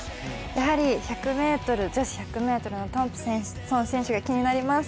やはり、女子１００ｍのトンプソン選手が気になります。